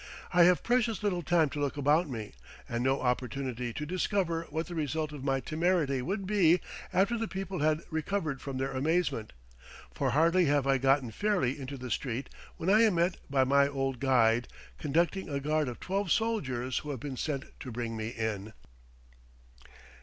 I have precious little time to look about me, and no opportunity to discover what the result of my temerity would be after the people had recovered from their amazement, for hardly have I gotten fairly into the street when I am met by my old guide, conducting a guard of twelve soldiers who have been sent to bring me in.